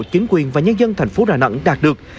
chính quyền và nhân dân thành phố đà nẵng đạt được